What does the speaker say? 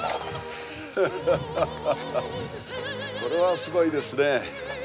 これはすごいですね。